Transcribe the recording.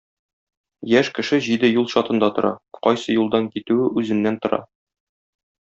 Яшь кеше җиде юл чатында тора – кайсы юлдан китүе үзеннән тора.